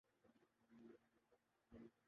کھانا پکانا تھا